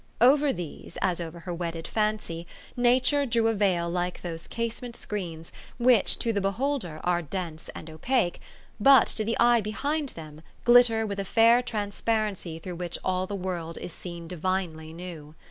Over these, as over her wedded fancy, Na ture drew a veil like those casement screens, which to the beholder are dense and opaque, but to the 276 THE STORY OF AVIS. eye behind them glitter with a fair transparency through which all the world is seen divinely new.